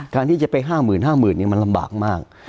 การที่จะไป๕๐๐๐๐๕๐๐๐๐นี่มันลำบากมาก